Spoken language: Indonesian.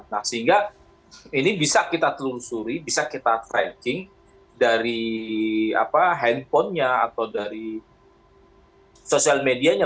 nah sehingga ini bisa kita telusuri bisa kita tracking dari handphonenya atau dari sosial medianya